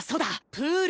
プール！